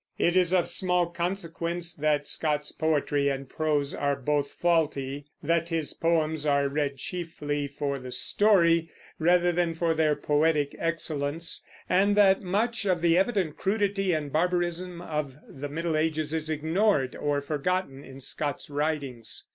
It is of small consequence that Scott's poetry and prose are both faulty; that his poems are read chiefly for the story, rather than for their poetic excellence; and that much of the evident crudity and barbarism of the Middle Ages is ignored or forgotten in Scott's writings.